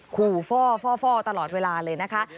คู่ฟ่อฟ่อฟ่อตลอดเวลาเลยนะคะ